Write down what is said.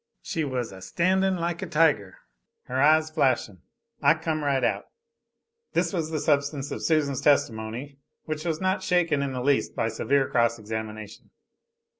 She was a standin' like a tiger, her eyes flashin'. I come right out. This was the substance of Susan's testimony, which was not shaken in the least by severe cross examination.